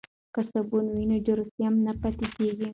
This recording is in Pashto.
که صابون وي نو جراثیم نه پاتیږي.